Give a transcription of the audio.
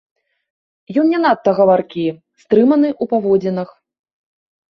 Ён не надта гаваркі, стрыманы ў паводзінах.